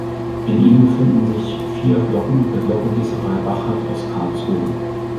In ihm befinden sich vier Glocken der Glockengießerei Bachert aus Karlsruhe.